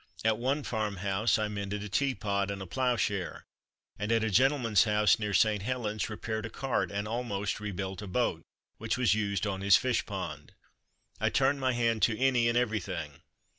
At one farm house I mended a tea pot and a ploughshare, and at a gentleman's house, near St. Helen's, repaired a cart, and almost re built a boat, which was used on his fish pond. I turned my hand to any and everything.